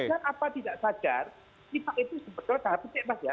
sajar apa tidak sajar itu sebetulnya tahap penting pak ya